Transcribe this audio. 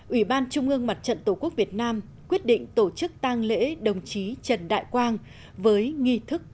ủy ban trung ương mặt trận tổ quốc việt nam quyết định tổ chức tang lễ đồng chí trần đại quang với nghi thức